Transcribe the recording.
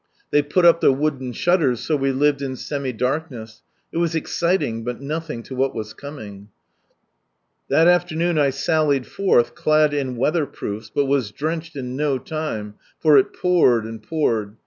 They put up the wooden shutters, so we lived in semi darkness. It was exciting, but nothing to what was coming. That afternoon I sallied forth clad in weather proofs, but was drenched in no litne, for 11 poured and poured.